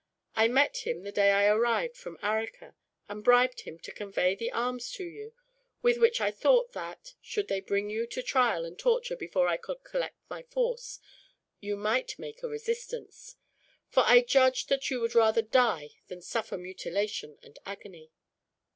I met him, the day I arrived from Arica, and bribed him to convey the arms to you; with which I thought that, should they bring you to trial and torture before I could collect my force, you might make a resistance; for I judged that you would rather die than suffer mutilation and agony.